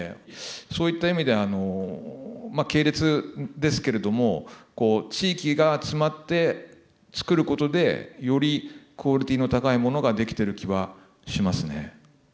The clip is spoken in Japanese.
そういった意味で系列ですけれども地域が集まって作ることでよりクオリティーの高いものが出来てる気はしますね。